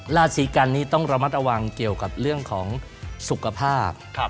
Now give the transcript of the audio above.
ราศีกันนี้ต้องระมัดระวังเกี่ยวกับเรื่องของสุขภาพ